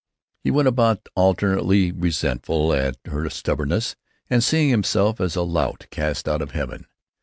He went about alternately resentful at her stubbornness and seeing himself as a lout cast out of heaven.